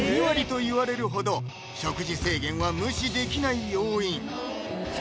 といわれるほど食事制限は無視できない要因